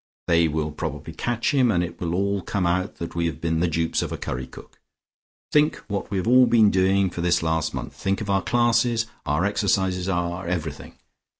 They will probably catch him, and it will all come out that we have been the dupes of a curry cook. Think what we have all been doing for this last month, think of our classes, our exercises, our everything.